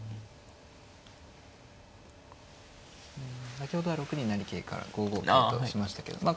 先ほどは６二成桂から５五桂としましたけどまあ